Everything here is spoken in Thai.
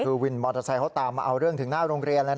คือวินมอเตอร์ไซค์เขาตามมาเอาเรื่องถึงหน้าโรงเรียนเลยนะ